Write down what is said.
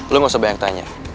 lo gak usah banyak tanya